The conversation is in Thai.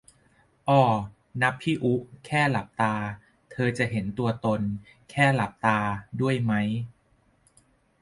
อ้อ นับพี่อุ๊ แค่หลับตา เธอจะเห็นตัวตน แค่หลับตา ด้วยไหม